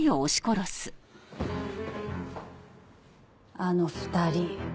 あの２人！